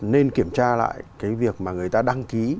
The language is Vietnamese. nên kiểm tra lại cái việc mà người ta đăng ký